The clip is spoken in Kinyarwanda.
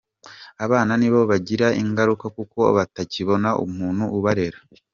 Abana nibo bagira ingaruka kuko batakibona umuntu ubarera.